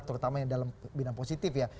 terutama yang dalam bidang positif ya